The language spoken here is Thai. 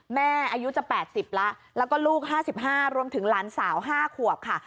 แม่อายุจะ๘๐แล้วแล้วก็ลูก๕๕รวมถึงหลานสาว๕ขวบค่ะ